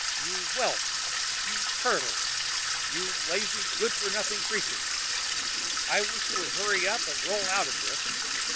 you whelp! you turtle! you lazy, good for nothing creature! I wish you would hurry up and roll out of this!"